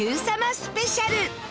スペシャル。